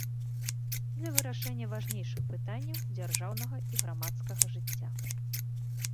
Для вырашэння важнейшых пытанняў дзяржаўнага і грамадскага жыцця.